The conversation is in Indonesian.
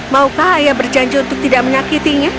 maukah ayah berjanji untuk tidak menyakitinya